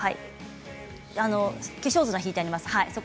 化粧砂を敷いてあります。